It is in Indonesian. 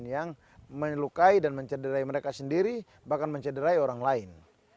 yang melukai dan mencederai mereka sendiri bahkan mencederai orang lain